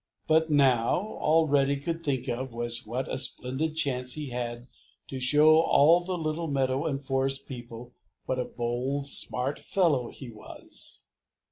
But now all Reddy could think of was what a splendid chance he had to show all the little meadow and forest people what a bold, smart fellow he was.